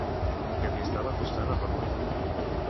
Què li estava costant a Ramon?